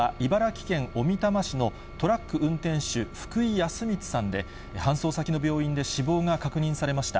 溺れていたのは、茨城県小美玉市のトラック運転手、福井康光さんで、搬送先の病院で死亡が確認されました。